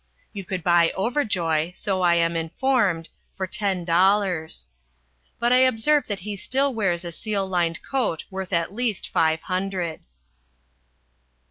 You could buy Overjoy so I am informed for ten dollars. But I observe that he still wears a seal lined coat worth at least five hundred.